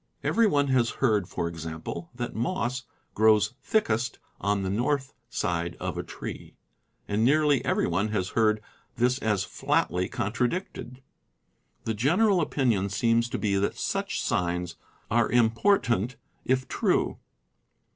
Every one has heard, for ex ample, that "moss grows thickest on the north side of a tree," and nearly every one has heard 202 CAMPING AND WOODCRAFT this as flatly contradicted. The general opinion seems to be that such signs are "important if true."